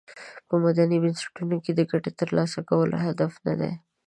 په مدني بنسټونو کې د ګټې تر لاسه کول هدف ندی.